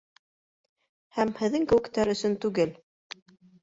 Һәм һеҙҙең кеүектәр өсөн түгел!